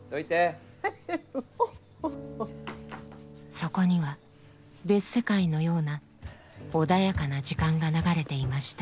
そこには別世界のような穏やかな時間が流れていました